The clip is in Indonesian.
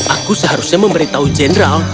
aku seharusnya memberitahu general